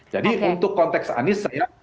jadi untuk konteks anies